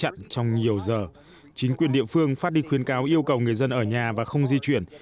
bộ phương phát định khuyến cáo yêu cầu người dân ở nhà và không di chuyển